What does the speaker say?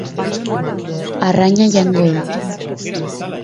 Arraina jango dut.